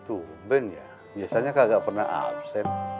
tuh benar ya biasanya tidak pernah absen